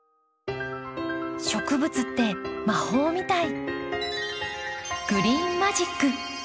植物って魔法みたい。